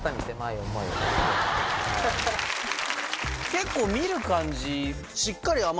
結構見る感じ。